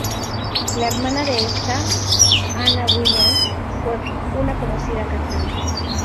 La hermana de esta, Anna Williams, fue una conocida cantante.